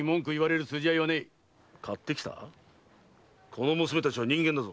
この娘たちは人間だぞ。